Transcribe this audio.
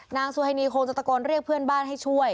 นางสุฮินีคงจะตะโกนเรียกเพื่อนบ้านให้ช่วย